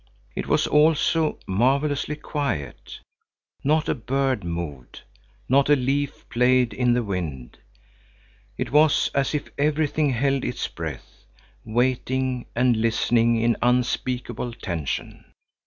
It was also marvellously quiet; not a bird moved, not a leaf played in the wind; it was as if everything held its breath, waiting and listening in unspeakable tension.